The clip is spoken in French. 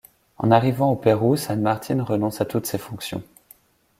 En arrivant au Pérou San Martín renonce à toutes ses fonctions.